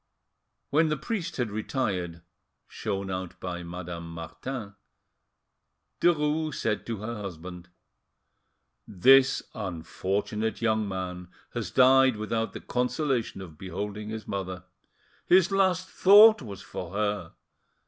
When the priest had retired, shown out by Madame Martin, Derues said to her husband— "This unfortunate young man has died without the consolation of beholding his mother.... His last thought was for her....